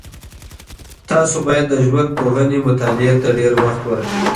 تاسو باید د ژوندپوهنې مطالعې ته ډېر وخت ورکړئ.